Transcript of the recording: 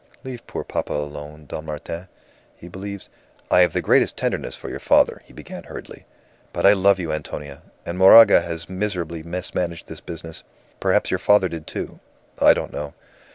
'" "Leave poor papa alone, Don Martin. He believes " "I have the greatest tenderness for your father," he began, hurriedly. "But I love you, Antonia! And Moraga has miserably mismanaged this business. Perhaps your father did, too; I don't know.